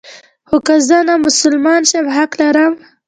خو که زه نامسلمان شم حق لرم.